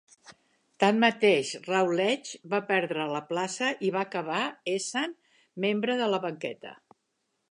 Tanmateix, Routledge va perdre la plaça i va acabar essent membre de la banqueta.